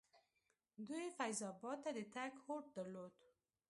دوی فیض اباد ته د تګ هوډ درلودل.